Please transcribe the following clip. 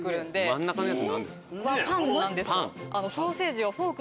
真ん中のやつ何ですか？